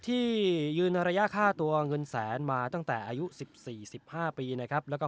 ที่ยืนระยะค่าตัวเงินแสนมาตั้งแต่อายุ๑๔๑๕ปีนะครับแล้วก็